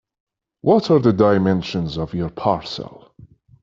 What are the dimensions of your parcel?